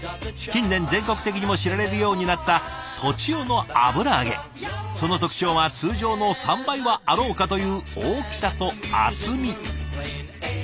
近年全国的にも知られるようになったその特徴は通常の３倍はあろうかという大きさと厚み。